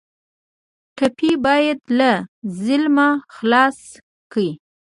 ټپي باید له ظلمه خلاص کړئ.